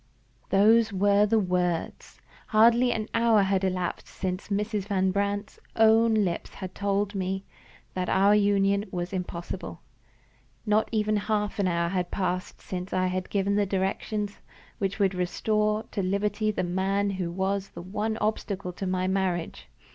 Those were the words! Hardly an hour had elapsed since Mrs. Van Brandt's own lips had told me that our union was impossible. Not even half an hour had passed since I had given the directions which would restore to liberty the man who was the one obstacle to my marriage.